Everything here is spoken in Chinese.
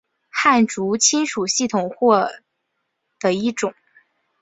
汉语亲属系统或的一种。